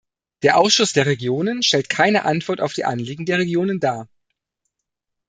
Der Ausschuss der Regionen stellt keine Antwort auf die Anliegen der Regionen dar.